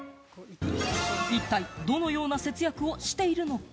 一体、どのような節約をしているのか？